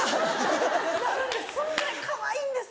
なるんです